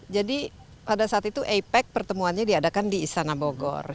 jadi pada saat itu apec pertemuannya diadakan di istana bogor